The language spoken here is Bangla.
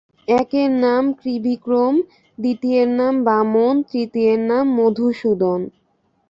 একের নাম ত্রিবিক্রম, দ্বিতীয়ের নাম বামন, তৃতীয়ের নাম মধুসূদন।